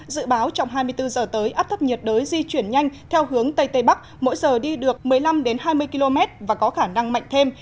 dự báo trong hai mươi bốn giờ tới áp thấp nhiệt đới di chuyển nhanh theo hướng tây tây bắc mỗi giờ đi được một mươi năm hai mươi km và có khả năng mạnh thêm